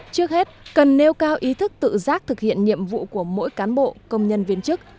trước hết cần nêu cao ý thức tự giác thực hiện nhiệm vụ của mỗi cán bộ công nhân viên chức